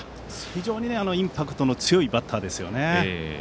非常にインパクトの強いバッターですよね。